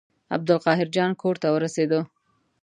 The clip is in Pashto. عبدالقاهر جان کور ته ورسېدو.